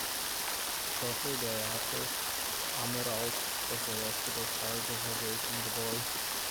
Shortly thereafter, Amirault was arrested on charges of raping the boy.